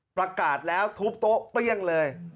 ประกาศแล้วทุบโต๊ะเปรี้ยงเลย